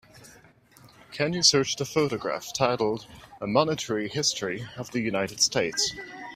Can you search the photograph titled A Monetary History of the United States